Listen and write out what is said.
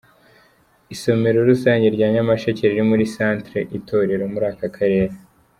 Isomero rusange rya Nyamasheke riri muri Centre Itorero muri aka karere.